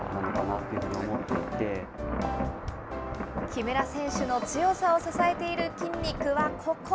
木村選手の強さを支えている筋肉はここ。